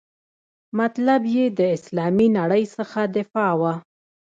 مطلب یې د اسلامي نړۍ څخه دفاع وه.